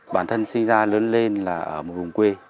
bản thân sinh ra lớn lên là ở một vùng quê